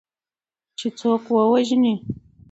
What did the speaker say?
چې څوک ووژني